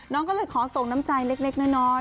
น้องก็เลยขอส่งน้ำใจเล็กน้อย